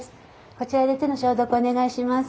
こちらで手の消毒お願いします。